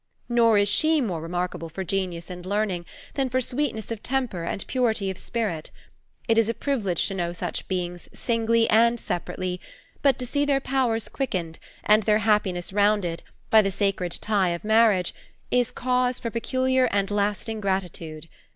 Nor is she more remarkable for genius and learning, than for sweetness of temper and purity of spirit. It is a privilege to know such beings singly and separately, but to see their powers quickened, and their happiness rounded, by the sacred tie of marriage, is a cause for peculiar and lasting gratitude.